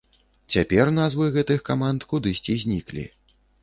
Цяпер назвы гэтых каманд кудысьці зніклі.